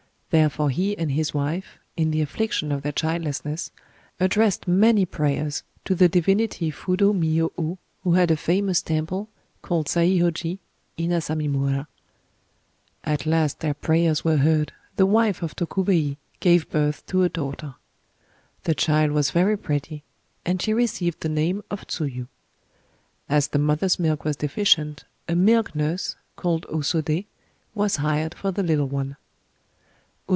Therefore he and his wife, in the affliction of their childlessness, addressed many prayers to the divinity Fudō Myō Ō, who had a famous temple, called Saihōji, in Asamimura. At last their prayers were heard: the wife of Tokubei gave birth to a daughter. The child was very pretty; and she received the name of Tsuyu. As the mother's milk was deficient, a milk nurse, called O Sodé, was hired for the little one.